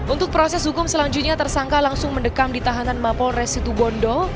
untuk proses hukum selanjutnya tersangka langsung mendekam di tahanan mapol res situbondo